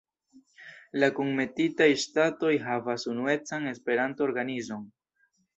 La kunmetitaj ŝtatoj havas unuecan Esperanto-organizon.